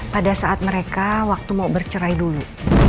pada saat mereka waktu mau bercerai dulu